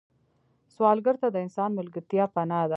سوالګر ته د انسان ملګرتیا پناه ده